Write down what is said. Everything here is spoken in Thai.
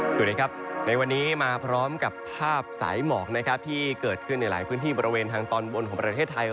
สวัสดีครับในวันนี้มาพร้อมกับภาพสายหมอกนะครับที่เกิดขึ้นในหลายพื้นที่บริเวณทางตอนบนของประเทศไทย